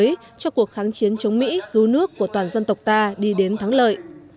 lịch sử mới cho cuộc kháng chiến chống mỹ lưu nước của toàn dân tộc ta đi đến thắng lợi